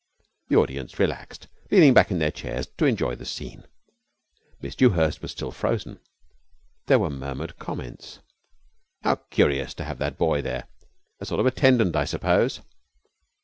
The audience relaxed, leaning back in their chairs to enjoy the scene. Miss Dewhurst was still frozen. There were murmured comments. "How curious to have that boy there! A sort of attendant, I suppose."